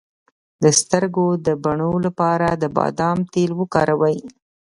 د سترګو د بڼو لپاره د بادام تېل وکاروئ